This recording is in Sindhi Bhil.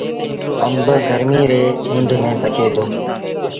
آݩب گرميٚ ريٚ مند ميݩ پچي دو۔